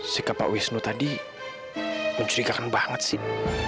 sikap pak wisnu tadi mencurigakan banget sih